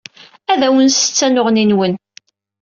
Ad awen-nessettu anneɣni-nwen.